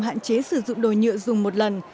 hạn chế sử dụng đồ nhựa dùng một lần